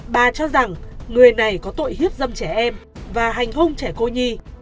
bà cho rằng người này có tội hiếp dâm trẻ em và hành hung trẻ cô nhi